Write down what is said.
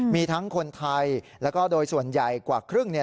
มีทั้งคนไทยแล้วก็โดยส่วนใหญ่กว่าครึ่งเนี่ย